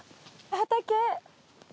畑！